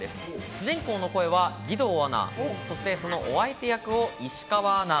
主人公の声は義堂アナ、そのお相手役を石川アナ。